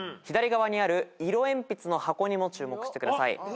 左側にある色鉛筆の箱にも注目してください。